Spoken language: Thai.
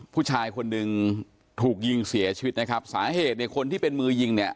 ผู้ชายคนหนึ่งถูกยิงเสียชีวิตนะครับสาเหตุเนี่ยคนที่เป็นมือยิงเนี่ย